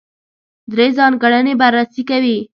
درې ځانګړنې بررسي کوي.